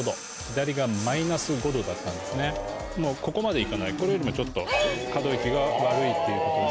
ここまでいかないこれよりもちょっと可動域が悪いということ。